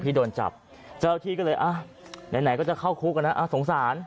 ที่โดนจับเจ้าที่ก็เลยอ่ะไหนก็จะเข้าคุกกันนะสงสาร